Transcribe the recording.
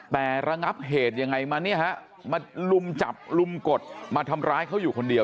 แต่ระงับเหตุยังไงมาเนี่ยฮะมาลุมจับลุมกดมาทำร้ายเขาอยู่คนเดียว